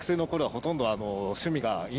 ほとんど。